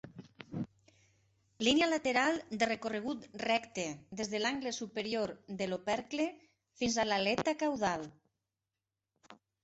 Línia lateral de recorregut recte des de l'angle superior de l'opercle fins a l'aleta caudal.